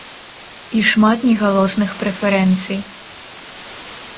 І шмат негалосных прэферэнцый.